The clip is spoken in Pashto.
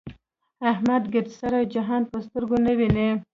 احمد ګردسره جهان په سترګو نه وي.